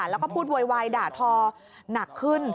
แล้วก็พูดโวยวายด่าทอหนักขึ้น